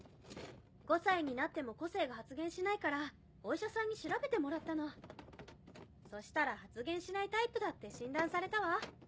・５歳になっても個性が発現しないからお医者さんに調べてもらったの・そしたら発現しないタイプだって診断されたわ。